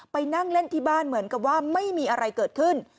ไปนั่งเล่นที่บ้านเหมือนกับว่าไม่มีอะไรเกิดขึ้น